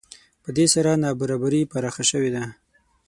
په دې سره نابرابري پراخه شوې ده